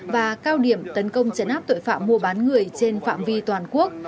và cao điểm tấn công chấn áp tội phạm mua bán người trên phạm vi toàn quốc